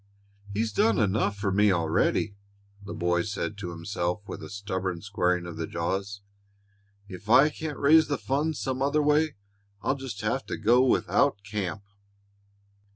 "He's done enough for me already," the boy said to himself with a stubborn squaring of the jaws. "If I can't raise the funds some other way, I'll just have to go without camp."